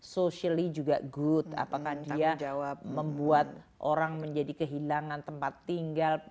socially juga good apakah dia membuat orang menjadi kehilangan tempat tinggal